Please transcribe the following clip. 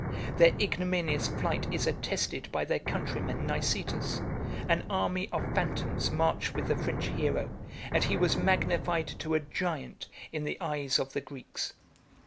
Their ignominious flight is attested by their countryman Nicetas: an army of phantoms marched with the French hero, and he was magnified to a giant in the eyes of the Greeks.